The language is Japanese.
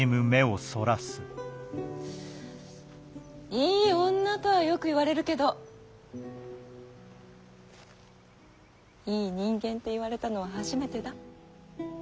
「いい女」とはよく言われるけど「いい人間」って言われたのは初めてだ。